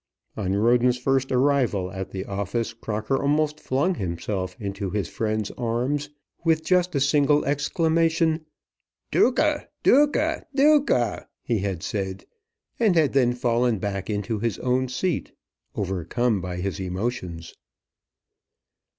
On Roden's first arrival at the office Crocker almost flung himself into his friend's arms, with just a single exclamation. "Duca, Duca, Duca!" he had said, and had then fallen back into his own seat overcome by his emotions.